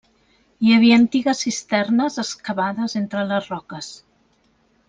Hi havia antigues cisternes excavades entre les roques.